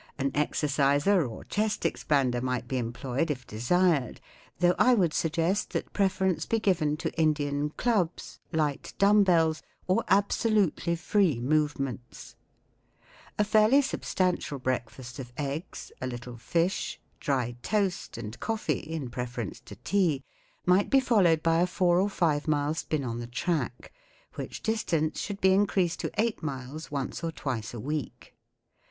An exerciser or chest expander might be employed if desired, though X would suggest that preference be given to Indian clubs, light dumb bells* or absolutely free movements, A fairly substantial breakfast of eggs, a little fish, dry toast, and coffee in preference to tea, might be followed by a four or five mile spin on the track, which distance should be increased to eight miles once or twice a week.